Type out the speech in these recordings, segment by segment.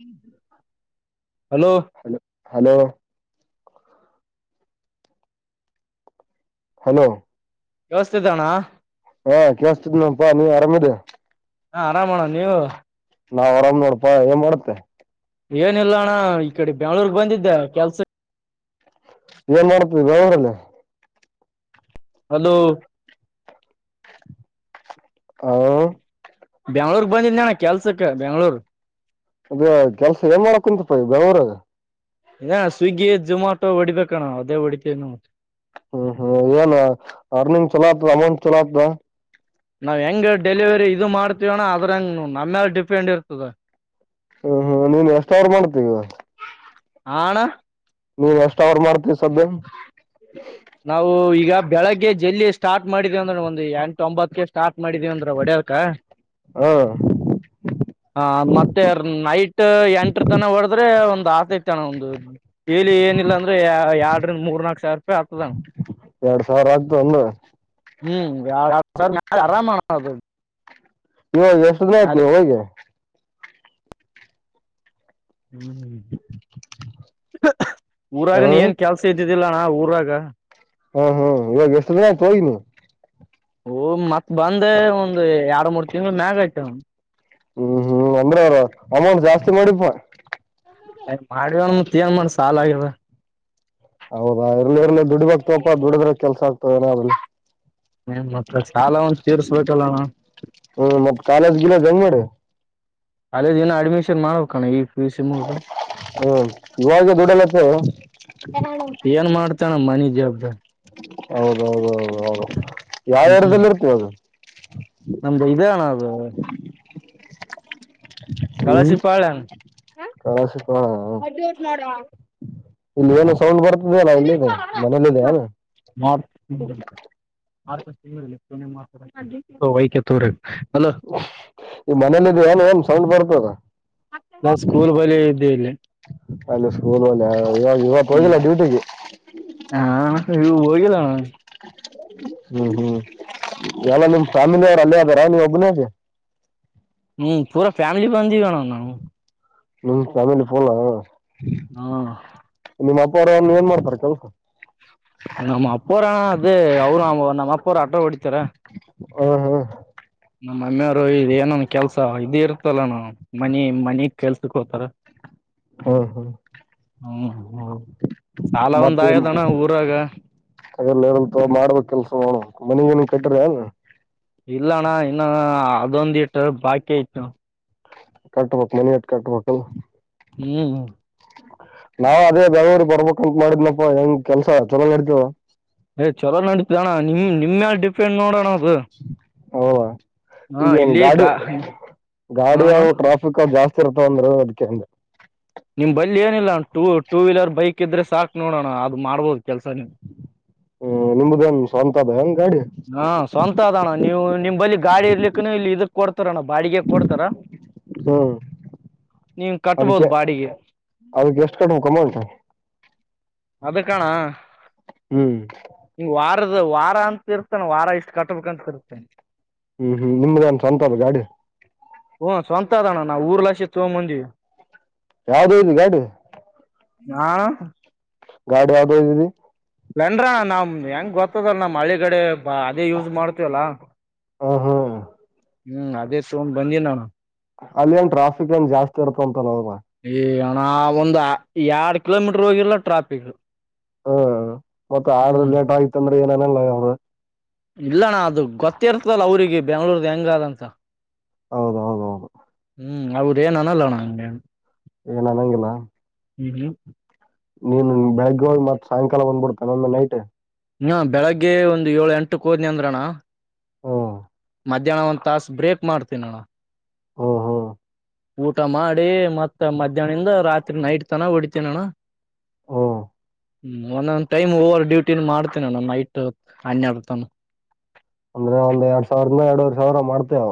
[inaudible] Hello hello hello ಕೇಳ್ಸ್ತೀದ ಅಣ ಹಾ ಕೇಳ್ಸ್ತೀದ್ ನಪಾ ನೀವ್ ಆರಾಮಿದಿ? ಆರಾಮಣ್ಣ ನೀವು ನಾವ್ ಆರಾಮ್ ನೋಡ್ಪಾ ಏನ್ ಮಾಡತ್ತೆ ಏನಿಲ್ಲ ಅಣ್ಣ ಈ ಕಡೆ ಬೆಂಗ್ಳೂರ್ಗ್ ಬಂದಿದ್ದೆ ಕೆಲ್ಸ ಏನ್ ಮಾಡತ್ತಿ ಬೆಂಗ್ಳೂರಲ್ಲಿ. ಹಲೋ ಆ ಬೆಂಗ್ಳೂರ್ ಬಂದಿದ್ಣನ ಕೆಲ್ಸಕ್ಕ ಬೆಂಗ್ಳೂರ್ ಅದೆ ಕೆಲ್ಸ ಏನ್ ಮಾಡಕ ಕುಂತ್ಯಪ್ಪ ಬೆಂಗ್ಳುರಾಗ? ಇದೆಣ ಸ್ವಿಗ್ಗಿ ಜೊಮಾಟೊ ಹೊಡಿಬೇಕಣ ಅದೇ ಹೊಡಿತೀವ್ ನಾವು ಹ್ಮ್ ಹ್ಮ್ ಏನ ಅರ್ನಿಂಗ್ ಚಲೋ ಆತ್ ಅಮೌಂಟ್ ಚಲೋ ಆತದ ನಾವು ಹೆಂಗ ಡೆಲಿವರಿ ಇದು ಮಾಡ್ತೀವಣ ಅದ್ರಂಗ್ ನಮ್ಮ್ಯಲೆ ಡಿಪೆಂಡ್ ಇರ್ತದ. ಹ್ಮ ಹ್ಮ ನೀನ್ ಎಷ್ಟ್ ಆರ್ನ್ ಮಾಡ್ತಿ ಈಗ ಹಾ ಅಣ ನೀವ್ ಎಷ್ಟ್ ಅವರ್ ಮಾಡ್ತೀ ನಾವು ಈಗ ಬೆಳಗ್ಗೆ ಜಲ್ಲಿ ಸ್ಟಾರ್ಟ್ ಮಾಡಿದೆ ಅಂದ್ರ ಒಂದು ಎಂಟು ಒಂಬತ್ ಕೆ ಸ್ಟಾರ್ಟ್ ಮಾಡಿದೀವಿ ಅಂದ್ರೆ ಹೊಡ್ಯಕ ಹ ಹ ಮತ್ತೆ ನೈಟ್ ಎಂಟ್ರ್ ತನ ಹೊಡೆದ್ರೆ ಒಂದು ಆಗ್ತೈತಣ ಒಂದು ಡೈಲಿ ಏನಿಲ್ಲ ಅಂದ್ರೆ ಯ ಯಾ ಎರಡ್ ಸಾವಿರ ಆಗ್ತವೇನಾ? ಹ್ಮ್ [unintelligible] ಆರಾಮಣ ಅದು ಇವಾಗ ಎಷ್ಟು ದಿನ ಆಯ್ತ್ ನೀ ಮ್ಯಾಲೆ ಹೋಗಿ ಹ್ ಹ್ಮ್ ಊರಾಗ ಹ ನೀ ಏನ್ ಹ್ಮ ಕೆಲ್ಸ ಇದ್ದಿ ದಿಲ್ಲಣ ಊರಾಗ ಹ್ಮ ಹ್ಮ ಇವಾಗ್ ಎಷ್ಟು ದಿನ ಆಯ್ತು ಹೋಗಿ ನೀನು? ಓಗ್ ಮ ಬಂದ ಒಂದ್ ಎರಡು ಮೂರು ತಿಂಗಳ ಮ್ಯಾಗಾಯ್ತ ಅಣ್ಣ ತಿ ಮಾಡಿಪ್ಪ ಅಯ ಮಾಡವಣ ಮತ್ ಏನ್ ಮಾಡ ಸಾಲ ಆಗ್ಯದ. ಹೌದಾ ಇರ್ಲಿ ಇರ್ಲಿ ದುಡಿಬೇಕ್ ತಗೋಪ ದುಡಿದ್ರ ಕೆಲ್ಸ ಆಗ್ತದನ ಆಲ್ಲಿ. ಹ್ಮ ಮಕ್ಳ ಸಾಲ ಒಂದ್ ತೀರ್ಸ್ಬೇಕಲ್ಲಣ. ಹ್ಮ್ ಮತ್ ಕಾಲೇಜ್ ಗೀಲೇಜ್ ಹೆಂಗ್ ಮಾಡಿ ಅಲ್ಲೇ ದಿನ ಅಡ್ಮಿಷನ್ ಮಾಡ್ಬೇಕಣ ಈ ಹ್ಮ ಇವಾಗ ದುಡಲ್ಲಪ್ಪ [unintelligible] ತ್ತಣ ಮನೆ ಜವಬ್ದಾ ಹೌದೌದೌದೌದು ಯಾವ ಏರಿಯಾದಲ್ಲಿ ಇರ್ತೀ ಇವಾಗ? ನಮ್ದ ಇದೇ ಅಣ್ಣ ಅದು [inaudible] ಹ್ಮ್ ಕಲಾಸಿಪಾಳ್ಯ ಹಾ ಕಲಾಶಿಪ [unintelligible] ಇಲ್ಲಿ ಏನು ಸೌಂಡ್ ಬರ್ತಿದಲ್ಲ ಎಲ್ಲಿದಿ ಮನೇಲ್ಲಿದೆ ಏನ್ ಮಾಡ್ [unintelligible] ಅಲ್ಲ ಈ ಮನೇಲಿದ್ಯ ಏನ್ ಏನ್ ಸೌಂಡ್ ಬರ್ತದ ನಾವ್ ಸ್ಕೂಲ್ ಬಳಿ ಇದ್ದೀವಿ ಇಲ್ಲಿ ಅಲ್ಲಿ ಸ್ಕೂಲಲ್ಲ ಇವಾ ಹ್ಮ್ ಇವಾಕೊಗಿಲ್ಲ ಡ್ಯೂಟಿಗೆ? ಇನ್ನು ಹೋಗಿಲ್ಲಣ ಹ್ಮ್ ಹ್ಮ್ ಎಲ್ಲ ನಿಮ್ ಫ್ಯಾಮಿಲಿಯವ್ರ ಅಲ್ಲೆ ಅದಾರ ನೀವ ಒಬ್ಬನೆ ಆದಿಯ ಹ್ಮ್ ಪೂರ ಫ್ಯಾಮಿಲಿ ಬಂದೀವಣ ನಾವು ನಿಮ್ ಪ್ಯಾವಿಲಿ ಫುಲ್ಲಾ ಹಾ ನಿಮ್ಮ್ ಅಪ್ಪ ಅವ್ರನ್ ಏನ್ ಮಾಡ್ತಾರೆ ಕೆಲ್ಸ? ನಮ್ಮ ಅಪ್ಪವ್ರಣ ಅದೇ ಅವ್ರು ನ ನಮ್ಮ ಅಪ್ಪ ಅವರು ಆಟೋ ಹೊಡಿತಾರ. ಆ ಹಾ ನಮ್ಮ ಮಮ್ಮಿಯವ್ರು ಇದ ಏನನ್ ಕೆಲ್ಸ ಇದ ಇರ್ತಲ್ಲ ನ ಮನಿ ಮನಿಗ್ ಕೆಲ್ಸಕ್ ಹೋತಾರ. ಹ್ಮ ಹ್ಮ್ ಹ್ಮ್ ಹ್ಮ್ ಸಾಲ ಒಂದ ಮತ್ತೆನ್ ಆಗದಣ್ಣ ಊರಾಗ ಅದ್ರಲ್ಲೇನೈತೋ ಮಾಡ್ಬೇಕ್ ಕೆಲ್ಸ ಮಾಡೋ ಮನೆ ಗಿನೆ ಕಟ್ಟಿಲ್ಲೇನ ಇಲ್ಲಣ್ಣ ಇನ್ನು ಅದೊಂದ ಇಟ್ಟ ಬಾಕಿ ಆಯ್ತು ಕಟ್ಬೇಕು ಮನ ಅಟ್ ಕಟ್ಬೇಕಿಲ್ ಹ್ಮ್ ನಾವ್ ಅದೇ ಬೆಂಗ್ಳೂರು ಬರ್ಬಕಂತ್ ಮಾಡಿದ್ನಪ್ಪಾ ಹೆಂಗ್ ಕೆಲ್ಸ ಚಲೋ ನಡೀತದ. ಏಯ್ ಚಲೋ ನಡಿತದಣ್ಣ ನಿಮ್ ನಿಮ್ಯಾಲ್ ಡೀ ಪೆಂಡ್ ನೋಡಣ ಅದು ಓ ಹೌದಾ ಹಾ ಈಗನ್ ಇಲ್ಲಿ ಗಾಡಿ ಗಾ ಗಾಡಿ ಹಣ ಅವು ಟ್ರಾಫಿಕ ಜಾಸ್ ತಿರ್ತಾ ವಂದ್ರ ಅದಿಕ್ಕೆ ಅಂದೆ ನಿಮ್ ಬಳ್ಳಿ ಏನಿಲ್ಲ ಟೂ ಟೂ ವೀಲರ್ ಬೈಕ್ ಇದ್ರೆ ಸಾಕು ನೋಡೋಣ ಅದು ಮಾಡ್ಬೋದು ಕೆಲ್ಸ ನೀವು ಹ್ಮ್ ನಿಮ್ದ ಒನ್ ಸ್ವಂತದ ಏನ್ ಹಾ ಸ್ವಂತ ಅದಣ ನೀವು ನಿಮ್ ಬಳಿ ಗಾಡಿ ಇರ್ಲಿಕ್ಕನು ಇಲ್ಲಿ ಇದು ಣ ಬಾಡಿಗೆ ಕೊಡ್ತಾರ ಹ್ಮ್ ನೀನ್ ಕಟ್ಬೋದು ಅದಕ್ಕೆ ಬಾಡಿಗೆ. ಅದಕ್ಕೆ ಎಷ್ಟ್ ಕಟ್ಬೇಕ್ ಅಮೌಂಟ್ ಅದೇ ಕಣ ಹ್ಮ್ ಹಿಂಗ್ ವಾ ವಾರದ ವಾರ ಅಂತ ಇರತ್ತಣ ವಾರ ಇಷ್ಟು ಕಟ್ಬೇಕಂತ್ ಇರುತ್ತೆ. ಹ್ಮ್ ಹ್ಮ್ ನಿಮ್ದೆನ್ ಸ್ವಂತ ಅದೆ ಗಾಡಿ? ಹು ಸ್ವಂತದಣ್ಣ ನಾವು ಊರ್ ಲಾಶಿ ಏತ್ಕೊಂಡ್ ಬಂದಿವಿ. ಯಾವ್ದ್ ಇದು ಗಾಡಿ ಆ ಗಾಡಿ ಯಾವ್ದಾದಿದು? ನಂಡ್ರ ನಮ್ ಹೆಂಗ್ ಗೊತ್ತದಲ್ ನಮ್ ಹಳ್ಳಿಗಡೆ ಬಾ ಅದೇ ಯೂಸ್ ಮಾಡ್ತೇವಲ್ಲ ಆ ಹಾ ಹ್ಮ್ ಅದೇ ಸೋನ್ ಬಂದಿಲ್ಲಣ. ಅಲ್ಲಿ ಏನ್ ಟ್ರಾಫಿಕ್ ಏನ್ ಜಾಸ್ತಿ ಇರತ ಅಂತಲ ಹೌದಾ ಅಣಾ ಅದೊಂದ್ ಎರಡ್ ಕಿಲೋಮೀಟರ್ ಹೋಗಿಲ್ಲ ಟ್ರಾಫಿಕ್ ಹ್ಮ್ ಮತ್ತೆ ಆರ್ ಹ್ಮ್ ಲೇಟ್ ಆಯತ್ ಅಂದ್ರೆ ಏನ ಲಲ್ಲ ಅವ್ರು ಇಲ್ಲಣ್ಣ ಅದು ಗೊತ್ತಿ ಇರ್ತದಲ್ಲ ಅವ್ರಿಗೆ ಬೆಂಗ್ಳೂರ್ದ ಹೆಂಗ ಅದಂತ. ಹೌದೌದ್ ಹೌದು ಹ್ಮ್ ಅವ್ರೆನ್ ಅನಲ್ಲಣ ಹಂಗೆ ಏನನ್ನಂಗಿಲ್ಲ ಊ ಹ್ಮ ನೀನ್ ಬೆಳಗ್ಗೆ ಹೊಯಿ ಮತ್ ಸಾಯಂಕಾಲ ಬಂದ್ಬಿಡ್ತ ಒಮ್ಮೋಮ್ಮೆ ನೈಟ್ ಹಾ ಬೆಳಿಗ್ಗೆ ಒಂದು ಏಳು ಎಂಟಕ್ಕೆ ಹೋದ್ನಿ ಅಂದ್ರಣ್ಣ ಹಾ ಮಧ್ಯಾಹ್ನ ಒಂದ್ ತಾಸ ಬ್ರೇಕ್ ಮಾಡ್ತೀನ ನೋಣ ಹ್ಮ ಹ್ಮ ಊಟ ಮಾಡಿ ಮತ್ತ ಮಧ್ಯಾಹ್ನಿಂದ ರಾತ್ರಿ ನೈಟ್ ತನ ಹೊಡಿತನ ಅಣ್ಣ ಹ ಹ್ಮ್ ಒಂದೊಂದ್ ಟೈಮ್ ಓವರ್ ಡ್ಯೂಟಿ ಮಾಡ್ತನ ಅಣ್ಣ ನೈಟ್ ಹನ್ನೆರಡು ತನ ಅಂದ್ರೆ ಒಂದ್ ಎರಡ್ ಸಾವಿರದಂದ ಎರಡುೂರ್ ಸಾವಿರ ಮಾಡ್ತೇಾಯಾ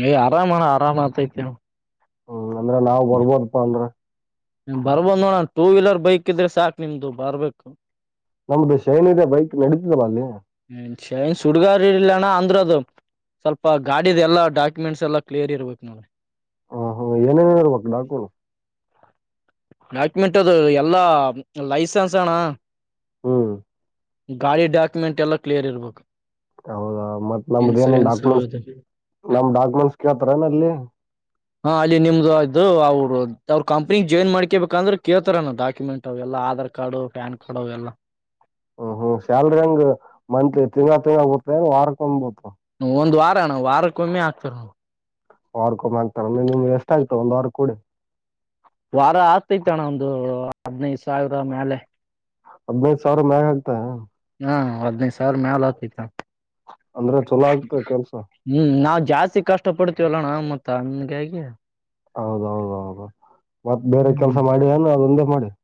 ಹೇ ಆರಾಮಣ ಆರಾಮ ಆತತೈ ಅಣ್ಣ ಹ್ಮ್ ಅಂದ್ರೆ ನಾವ್ ಬರ್ಬೋದಪ್ಪಾ ಅಂದ್ರ ಬರ್ಬೋದ್ ನೋಡಣನ್ ಟೂ ವೀಲರ್ ಬೈಕ್ ಇದ್ರೆ ಸಾಕ್ ನಿಮ್ದು ಬರ್ಬೇಕು ನಮ್ದು ಶೈನ್ ಇದೆ ಬೈಕ್ ನಡೀತಿದ ಅಲ್ಲಿ ಶ್ ಸುಡ್ಗಾರ್ ಇರ್ಲಣ್ಣ ಅಂದ್ರ ಅದು ಸ್ವಲ್ಪ ಗಾಡಿದ ಎಲ್ಲ ಡಾಕ್ಯುಮೆಂಟ್ಸ್ ಎಲ್ಲಾ ಕ್ಲಿಯರ್ ಇರ್ಬೇಕು ನೋಡ ಹ ಹ ಏನ್ ಏನ್ ಇರ್ಬೇಕು ಡಾಕ್ಯುಮೆಂಟ್ಸ್ ಡಾಕ್ಯುಮೆಂಟ್ ಅದು ಎಲ್ಲಾ ಲೈಸೆನ್ಸ್ ಅಣ್ಣ ಹ್ಮ್ ಗಾಡಿಿ ಡಾಕ ೆಟ್ ಎಲ್ಲ ಕ್ಲಿಯರ್ ಇರಬೇಕು ಹೌದಾ ಮತ್ ನಮ್ದ ನ್ ಡಾಕ್ಯುಮೆಂಟ್ಸ್ ಅದು ನಮ್ ಡಾಕ್ಯುಮೆಂಟ್ಸ್ ಕೇಳ್ [unintelligible] ಹಾ ಅಲ್ಲಿ ನಿಮ್ದು ಅದು ಅವ್ರು ಅವ್ರ ಕಂಪ್ನಿಗ್ ಜಾಯಿನ್ ಮಾಡ್ಕೇಬೇಕ ಅಂದ್ರೆ ಕೇಳ್ತಾರಾನ ಡಾಕ್ಯುಮೆಂಟ್ ಅವೆಲ್ಲಾ ಆಧಾರ್ ಕಾರ್ಡ್ ಪ್ಯಾನ್ ಕಾರ್ಡ್ ಅವೆಲ್ಲ ಹ್ಮ್ ಹ್ಮ್ ಸ್ಯಲ್ರಿ ಹಂಗ್ ಮಂತ್ಲಿ ತಿಂಗಳ ತಿಂಗಳ ಬರುತ್ ಇಲ್ಲ ವರುಕೊಮ್ಮೆ ಬರ್ತಾ ಒಂದ್ ವಾರ ಅಣ್ಣ ವಾರ ಕಮ್ಮಿ ಆಗ್ತರ ವರ್ಕೋಮ್ ಮಾಡ್ತಾರೆ ನಿಮ್ ಎಷ್ಟ ಆಯ್ತ ಒಂದ ವಾರ ಕೂಡಿ ವಾರ ಆಗ್ತೈತಣ್ಣ ಒಂದು ಹದ್ನೈದು ಸಾವಿರ ಮೇಲೆ ಹದನೈದು ಸಾವಿರ ಮ್ಯಾಗ ಆಗ್ತಾ ಹಾ ಹದ್ನೈದು ಸಾವಿರ ಮ್ಯಾಲ ಹತೈತ ಅಂದ್ರೆ ಚಲೋ ಆಗ್ತದೆ ಕೆಲ್ಸ ಹ್ಮ್ ನಾವ್ ಜಾಸ್ತಿ ಕಷ್ಟ ಪಡ್ತೀವಲ್ಲಣ ಮತ್ತ [unintelligible] ಹಂಗಾಗಿ ಹೌದೌದೌದು ಮತ್ ಬೇರೆ ಕೆಲ್ಸ ಮಾಡಿ ಅಾನ ಅದೊಂದೇ ಮಾಡಿನ್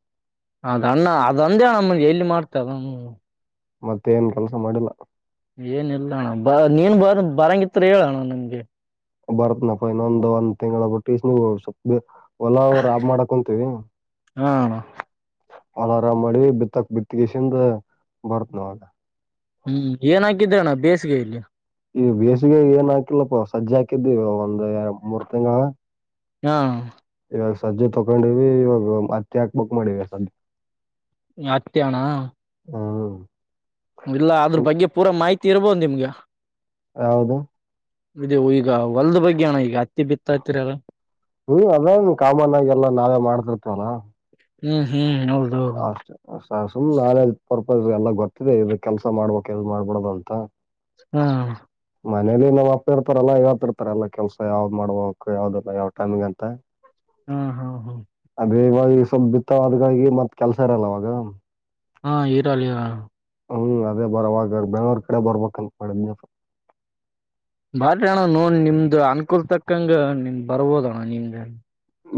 ಅದ ಅಣ್ಣ ಅದೊಂದೇ ಅಣಮ್ಮನಗೆ ಎಲ್ಲಿ ಮಾಡ್ತ ಅ ಮತ್ತ ಏನ್ ಕೆಲ್ಸ ಮಾಡಿಲ್ಲ ಏನು ಇಲ್ಲ ಅಣ್ಣಾ ಬರೋಗಿದ್ರೆ ಹೇಳನ್ನ ನನಗೆ ಬರ್ತೀನಪ್ಪಾ ಇನ್ನು ಒಂದು ತಿಂಗಳು ಬಿಟ್ಟು ಹ [unintelligible] [unintelligible] ರಾಬ್ ಮಾಡಕ ಕುಂತೀವಿ ಹಾ ಅಣ್ಣ [unintelligible] ಅಲಾರಾಮ್ ಮಾಡಿ ಬಿತ್ತಕ್ ಬಿತ್ತಗೆಸಿಂದ ಬರ್ತ್ ನವಾಗ. ಹ್ಮ್ ಏನಾಕಿದ್ದನ್ನ ಬೇಸಿಗೆ ಇಲ್ಲಿ. ಈ ಬೇಸಿಗೆ ಏನ್ ಹಾಕಿಲ್ಲಪ್ಪ ಸಜ್ಜೆ ಹಾಕಿದ್ ಒಂದ್ ಮೂರ್ ತಿಂಗಳ. ಹಾ ಇವಾಗ ಸಜ್ಜೆ ತಗೊಂಡಿವವಿ ಇವಾಗ ಮತ್ತೆ ಹಾಕ್ ಬೇಕ್ ನೋಡಿಗ್ ಸಜೆ ಹಾಕ್ತಿಯನ್ನ ಹಾ ಇಲ್ಲ ಅದ್ರ ಬಗ್ಗೆ ಪೂರಾ ಮಾಹಿತಿ ಇರ್ಬೋದು್ ನಿಮ್ಗ ಯಾವ್ದು ಇ ಈಗ ಹೊಲ್ದ ಬಗ್ಗೆ ಅಣ ಈಗ ಹತ್ತಿ ಬಿತ್ತಾತಿರಲ್ಲ ಹ್ಮ ಅದನ್ ಕಾಮನ್ ಆಗ ಎಲ್ಲ ನಾವೇ ಮಾಡ್ತಿರ್ತವಲ್ಲ ಹ್ಮ್ ಹ್ಮ್ ಹೌದು [unintelligible] ಎಲ್ಲ ಗೊತ್ತಿದೆ ಇ ಕೆಲ್ಸ ಮಾಡ್ಬಕ್ ಎಲ್ ಮಾಡ್ಬರಾಡು ಅಂತ ಹಾ ಮನೇಲಿ ನಮ್ಮ್ ಅಪ್ಪ ಇರ್ತಾರಲ್ಲ ಇವತಿ ಇರ್ತಾರ ಎಲ್ಲ ಕೆಲ್ಸ ಯಾವ್ದ್ ಮಾಡ್ಬಕ್ ಯಾವ್ದ ಯಾವ್ ಟೈಮ್ಗ ಅಂತ ಹಾ ಹಾ ಹಾ ಬೇಗವಾಗಿ ಸೊಬ್ಬತ್ತ ಅಕ ಮತ್ತೆ ಕೆಲ್ಸ ಇರಲ್ಲ ಅವಾಗ ಹಾ ಈರಾಲಾ ಇರ ಹ್ಮ್ ಅದೇ ಬರವಾಗ ಬೆಂಗ್ಳೂರ್ ಕಡೆ ಬರ್ಬೇಕಲ್ ಮಾಡ್ ದಿವ್ಸ [unintelligible] ನೊಣ ನಿಮ್ ಇ ಅನ್ಕೂಲ್ ತಕ್ಕಂಗ ನಿನ್ ಬರ್ಬೋದಣ್ಣ [unintelligible]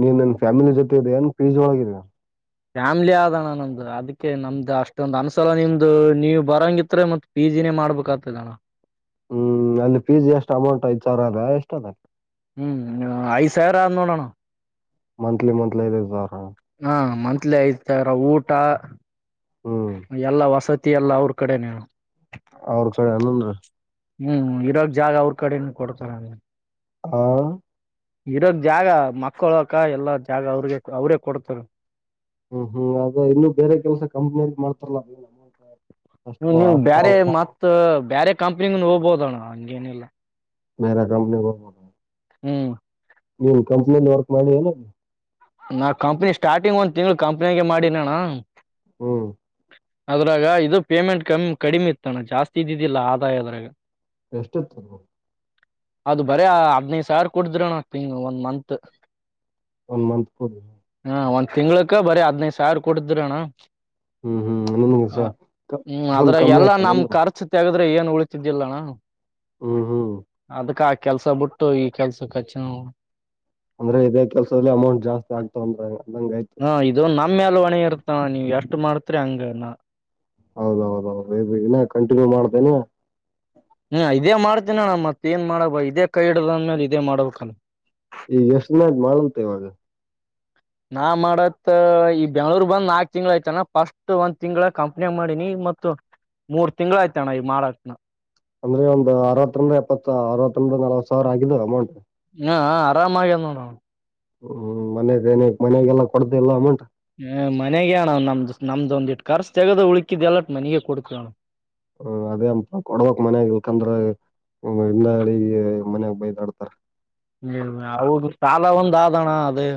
ನೀನ್ ನನ್ ಫ್ಯಾಮಿಲಿ ಜೊತೆ ಇದೆ ನನ್ ಪೀಜ್ ಒಳಗ. ಫ್ಯಾಮ್ಲಿ ಆದಣ್ಣ ನಮ್ದು ಅದಕ್ಕೆ ನಮ್ದು ಅಷ್ಟೊಂದ್ ಅನ್ಸಲ ನಿಮ್ದು ನೀವು್ ಬರಂಗಿತ್ ಮತ್ತತ್ ಪಿ ಜಿನೇ ಮಾಡ್ಬೇಕ ಆತದಣ ಹ್ಮ್ ಅಲ್ಲಿ ಫೀಜಿ ಎಷ್ಟ್ ಅಮೌಂಟ್ ಐದ ಸಾವರ ಅದ ಎಷ್ಟು ಅದಲ್ಲ. ಹ್ಮ್ ಐದು ಸಾವಿರ ಅದ್ನೊಡ್ಡನ್ನ ಮಂತ್ಲಿ ಮಂತ್ಲಿ ಐದ ಐದ ಸಾವರ. ಕತ್ಲ ಇತಾರ ಊಟ. ಹ್ಮ್ ಎಲ್ಲ ವಸತಿ. ಅಲ್ಲ ಅವ್ರ ಕಡೆನ. ಅವ್ರ ಕಡೆನು. ಹ್ಮ್ ಇರಾಗ ಜಾಗ ಅವ್ರ ಕಡೆನ ಕೊಡ್ತಾರ. ಹಾ. ಇರೋದ ಜಾಗ ಮಕ್ಕಳಕ ಎಲ್ಲ ಜಾಗ ಅವ್ರಿಗೆ ಅವ್ರೇ ಕೊಡ್ತಾರ. ಹ್ಮ್ ಹ್ಮ್ ಅದ ಇನ್ನುೂ ಬೇರೆ ಕೆಲ್ಸ ಕಂಪ್ನಿಯಲ್ಲಿ ಮಾಡ್ತಾರಲ್ಲ ನಮ್ಮ. ನೀವು್ ಬೇರೆ ಮತ್ತ ಬೇರೆ ಕಂಪ್ನಿಗ ಹೋಗ್ಬೋದಣ ಹಂಗೇನಿಲ್ಲ ಬೇರ ಕಂಪನ ಹ್ಮ್ ನೀನ್ ಕಂಪ್ನೀನ್ಲೀ ವರ್ಕ್ ಮಾಡಿ ಏನ್ ನಾ ಕಂಪ್ನಿ ಸ್ಟಾರ್ಟಿಂಗ್ ಒಂದ್ ತಿಂಗ್ಳ ಕಂಪ್ನಿಗೆ ಮಾಡಿಿನಣ ಹ್ಮ್ ಅದ್ರಾಗ ಇದು ಪೇಮೆಂಟ್ ಕಮ ಕಡಿಮೆ ಇತ್ತಣ ಜಾಸ್ತಿ ಇದಿದ್ದಿಲ್ಲ ಆದಾಯ ಅದ್ರಾಗ ಎಷ್ಟತ್ತು ಅದು ಬರ ಹದ್ನೈದು ಸಾವಿರ ಕೊಡ್ತಿದ್ರನ ತಿಂಗ ಒಂದ್ ಮಂತ್ ಒನ್ ಮಂತ್ಕ ಹ ಒಂದ್ ತಿಂಗ್ಕ ಬರ ಹದ್ನೈದು ಸಾವಿರ ಕೊಡಿದ್ರಣ್ಣ ಹ್ಮ್ ಹ್ಮ್ ನನ್ಸ ಹ ಹ್ಮ್ ಫುಲ್ ಅದ್ರಾಗ ಕಮ್ಮಿ ಎಲ್ಲಾ ಆಯ್ತಾ ನಮ್ ನಂದು ಖರ್ಚು ತೆಗದ ಅಂದ್ರೆ ಏನ್ ಉಳಿತಿದ್ದಿಲ್ಲಣ ಹ್ಮ್ ಹ್ಮ್ ಅದುಕ್ಕ ಹಾಕ್ ಕೆಲ್ಸ ಬಿಟ್ಟು ಈ ಕೆಲ್ಸಕ್ಚ್ಚ ನವು ಅಂದ್ರೆ ಇದೇ ಕೆಲ್ಸ [unintelligible] ಅಮೌಂಟ್ ಜಾಸ್ತಿ ಆಗ್ತಾವ ಅಂದ್ರಂಗ ಆಯ್ತು ಹಾ ಮಾಡ್ತ್ರಿ ಹಂಗ ನ ಹೌದೌದೌದುನ್ನ ಕಂಟಿನ್ಯೂ ಮಾಡ್ತೇನೆ ಹ್ಮ ಇದೇ ಮಾಡ್ತೀನಣ ಮತ್ತ ಏನ್ ಮಾಡಬ ಇದೇ ಕೈ ಹಿಡ್ದಂದ್ಮೇಲೆ ಇದೇ ಮಾಡಬೇಕಲ್ಲ ಈಗ ಎಷ್ಟನ್ ಮಾಡಂತ ಇವಾಗ ನಾ ಮಾಡತ್ ಈ ಬೆಂಗ್ಳೂರ್ ಬಂದ್ ನಾಕ್ ತಿಂಗಳ ಆಯ್ತಣ್ಣ ಫಸ್ಟ್ ಒಂದ್ ತಿಂಗ್ಳ ಕಂಪ್ನೇಂಟ್ ಮಾಡಿನಿ ಮತ್ತ ಮೂರ್ ತಿಂಗಳ ಆಯ್ತಣ್ಣ ಈ ಮಾಡತ್ನ ಅಂದ್ರೆ ಒಂದು ಅವತ್ತಂದ ಎಪ್ಪ ಅರವತ್ತಂದ್ರ ನಲ್ವತ್ ಸಾವಿರ ಆಗಿದ್ದು ಅಮೌಂಟ್ ಹಾ ಹಾ ಆರಾಮಾಗ್ಯದ ನೋಡಣ ಹ್ಮ್ ಮನೆನೆ ಮನೆಗೆಲ್ಲಾ ಕೊಡ್ತ್ಯ ಇಲ್ಲ ಅಮೌಂಟ್ ಹ್ ಮನೆಗ ಅಣ ನಮ್ದು ನಮ್ದು ಒಂದ್ ಎಷ್ಟು ಕರ್ಚು ತೆಗದ ಉಳಕಿದ ಅಲ್ಲ ಮನೆಗೆ ಕೊಡ್ತ ಅಣ ಹ್ಮ ಅದೇ ಅಪ ಕೊಡ್ಬಕ್ ಮನ್ಯಾಗ ಇಲ್ಕಂದ್ರ ಇಲ್ಲ ಮನ್ಯಾಗ ಬೈದ ಆಡ್ತಾರ್ ಹ ಹೌದು ಸಾಲ ಒಂದ್ ಆದಣ ಅದೇ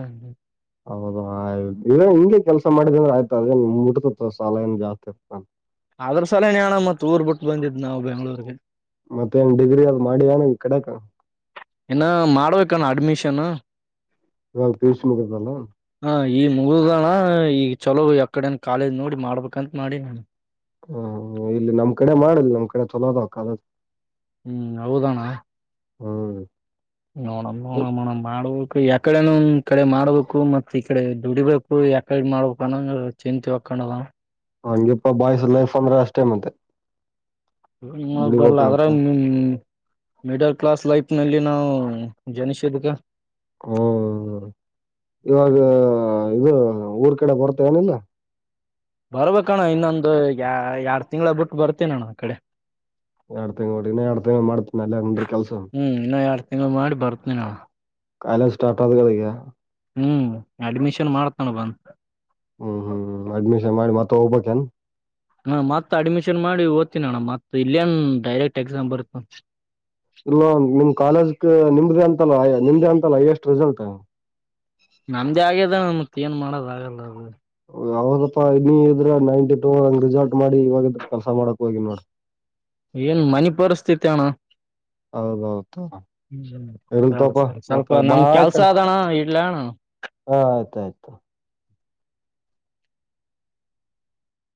ಹೌದ ಆಯ್ತ ಇ ಹಿಂಗೆ ಕೆಲ್ಸ ಮಾಡಿದ ಅಂದ್ರೆ ಆಯ್ತು ಅದನ್ [unintelligible] ಸಾಲ ಏನ್ ಜಾಸ್ತಿ ಇತ ಅದ್ರ ಸಲನ್ಣ ಮತ್ ಊರ್ ಬಿಟ್ಟು ಬಂದಿದ್ದ್ ನಾವು ಬೆಂಗ್ಳೂರ್ಗೆ ಮತ್ತೆ ಹೆಂಗ್ ಡಿಗ್ರಿ ಅದು್ ಮಾಡಿ ಏನಂಗ ಕಡ್ಯಾಕ ಇನ್ನ ಮಾಡ್ಬೇಕನ್ನ ಅಡ್ಮಿಷನ್ ಇವಾಗ ಪಿ ಯು ಸಿ ಮುಗಿದಲ್ಲ ಹ ಈಗ ಮುಗದಣ ಈಗ ಚಲೋ ಯಕಡ ಕಾಲೇಜ್ ನೋಡಿ ಮಾಡ್ಬೇಕಂತ ಮಾಡಿನ್. ಹ್ಮ ಇಲ್ಲಿ ನಮ್ ಕಡೆ ಮಾಡ ನಮ್ ಕಡೆ ಚಲೋ ಅದಾವ ಕಾಲೇಜ್. ಹ್ಮ್ ಹೌದಣ. ಹ್ಮ್. ನೋಡೋಣ ನೋಣೋಣ ಅಣ್ಣ ಮಾಡುದ, ಎಕಡೆನು ಈ ಕಡೆ ಮಾಡ್ಬೇಕು ಮತ್ತೆ ಈ ಕಡೆ, ದುಡಿಬೇಕು ಯಾಕಡೆ ಮಾಡ್ಬೇಕು ಅನ್ನೋ ಚಿಂತಿ ಹೊಕ್ಕಂಡದ, ಹಂಗಿಪ್ಪ ಬಾಯ್ಸ್ ಲೈಫ್ ಅಂದ್ರೆ ಅಷ್ಟೇ ಮತ್ತೆ ಏನ ಮಾಡಾಕ ಬರಲ್ಲ ದುಡಿಬೇಕು ಅದ್ರಾಗ ಮತ್ತೆ ಮಿಡಲ್ ಕ್ಲಾಸ್ ಲೈಫ್ ನಲ್ಲಿ ನಾವು ಜನಿಸಿದಕ. ಹ್ಮ ಇವಾಗ, ಇದು ಊರ್ ಕಡೆ ಬರ್ತಿ ಏನಿಲ್ಲ? ಬರ್ಬೇಕಣ್ಣ ಇನ್ನೊಂದು ಯ ಎರಡ್ ತಿಂಗಳ ಬಿಟ್ಟು ಬರ್ತಿನ ಅಣ್ಣ ಆ ಕಡೆ. ಎರಡು ತಿಂಗಳು ನೋಡಿ ಇನ್ನ ಎರಡು ತಿಂಗಳ ಮಾಡ್ತಿ ಅಲ್ಲೇ ಕೆಲ್ಸಾ? ಹ್ಮ್ ಇನ್ನ ಎರಡ್ ತಿಂಗಳ ಮಾಡಿ ಬರ್ತೇನಣ ಕಾಲೇಜ್ ಸ್ಟಾರ್ಟ್ ಆಗೋವರ್ಗೆ. ಹ್ಮ್. ಅಡ್ಮಿಷನ್ ಮಾಡ್ತಣ ಬಂದ. [unintelligible] ಹೋಗ್ಬೇಕನ? ಹಾ ಮತ್ತ ಅಡ್ಮಿಷನ್ ಮಾಡಿ ಹೋಗ್ತೀನಿ ಅಣ್ಣ ಮತ್ತ ಇಲ್ಲೇನ್ ಡೈರೆಕ್ಟ್ ಎಕ್ಸಾಮ್ ಬರತನ. ಇಲ್ಲ ನಿಮ್ಮ ಕಾಲೇಜಕ ನಿಮ್ದ ಅಂತ, ಅಲ್ಲ ನಿಂದೆ ಅಂತಲ್ಲ ಹೈಯೆಸ್ಟ್ ರಿಸಲ್ಟ್. ನಮ್ದೇ ಆಗ್ಯದ ಮತ್ ಏನ್ ಮಾಡೋದ ಆಗಲ್ಲ ಅದು. ಹೌದಪ್ಪಾ ನಿ ಇದ್ರ ನೈಂಟಿ ಟೂ ಹಂಗ ರಿಸಲ್ಟ್ ಮಾಡಿ ಇವಾಗ ಇದ್ರ ಕೆಲ್ಸಾ ಮಾಡಕ್ ಹೋಗಿ ನೋಡ. ಏನ್ ಮನಿ ಪರಿಸ್ಥಿತಿ ಅಣ್ಣ. ಹೌದೌದು. ಹ್ಮ ಇರ್ಲಿ ಸರಿ ತೋಪ ಸರಿ ಮತ್ತ ಸ್ವಲ್ಪ ನಮ್ ಬಾಳ್ ಕೆಲ್ಸ ಕಡೆ ಅದಣ ಇಡ್ಲ್ಯಾ ಅಣ್ಣ? ಹಾ ಆಯ್ತಾಯ್ತು.